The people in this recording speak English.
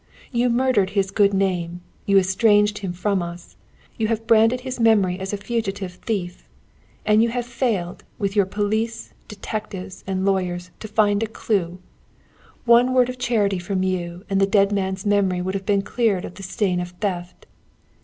You murdered his good name, you estranged him from us. You have branded his memory as a fugitive thief! And you have failed, with your police, detectives, and lawyers, to find a clue! One word of charity from you and the dead man's memory would have been cleared of the stain of theft.